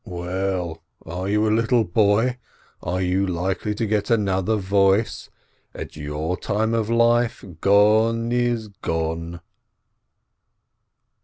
"Well, are you a little boy? Are you likely to get another voice ? At your time of life, gone is gone